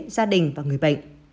gia đình và người bệnh